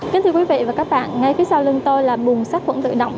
kính thưa quý vị và các bạn ngay phía sau lưng tôi là bùng sát quận tự động